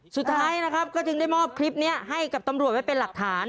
สุดท้ายนะครับก็จึงได้มอบคลิปนี้ให้กับตำรวจไว้เป็นหลักฐาน